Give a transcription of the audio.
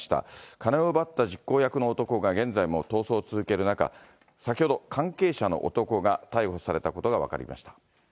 金を奪った実行役の男が現在も逃走を続ける中、先ほど、関係者の男が逮捕されたことが分かりました。